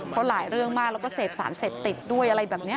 พอหลายเรื่องมาแล้วก็เศษภาพเสร็จติดด้วยอะไรแบบนี้